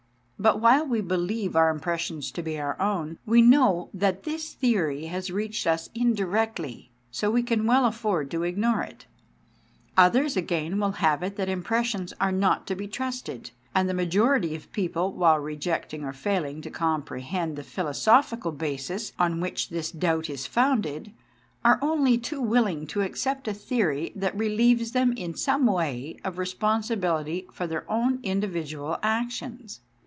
But while we believe our impressions to be our own, we know that this theory has reached us indirectly, so we can well afford to ignore it. Others, again, will have it that impressions are not to be trusted ; and the majority of people, while rejecting or failing to com prehend the philosophic basis on which this doubt is founded, are only too willing to accept a theory that relieves them in some way of responsibility for their own indi vidual actions.